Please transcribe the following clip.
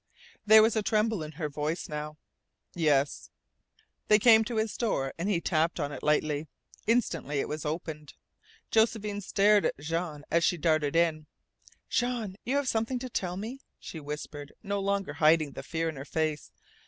There was a tremble in her voice now. "Yes." They came to his door and he tapped on it lightly. Instantly it was opened. Josephine stared at Jean as she darted in. "Jean you have something to tell me?" she whispered, no longer hiding the fear in her face.